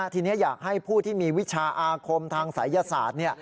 ทีนี้อยากให้ผู้ที่มีวิชาอาคมทางศัยศาสตร์